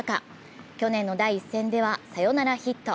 去年の第１戦ではサヨナラヒット。